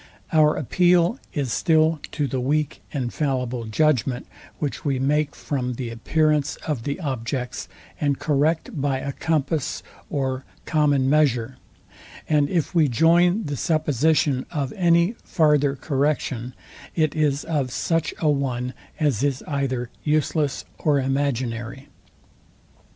Our appeal is still to the weak and fallible judgment, which we make from the appearance of the objects, and correct by a compass or common measure; and if we join the supposition of any farther correction, it is of such a one as is either useless or imaginary.